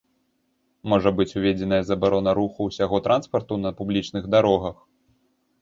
Можа быць уведзеная забарона руху усяго транспарту на публічных дарогах.